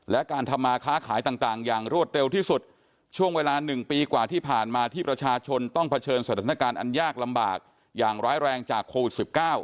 และการทำมาค้าขายต่างอย่างรวดเร็วที่สุดช่วงเวลา๑ปีกว่าที่ผ่านมาที่ประชาชนต้องเผชิญสถานการณ์อันยากลำบากอย่างร้ายแรงจากโควิด๑๙